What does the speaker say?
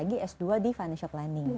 lagi s dua di financial planning